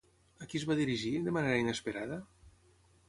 A qui es va dirigir, de manera inesperada?